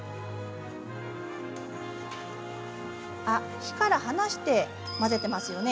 あっ火から離して混ぜてますよね。